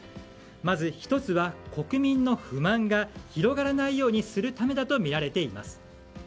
まず１つは国民の不満が広がらないようにするためだとみられています。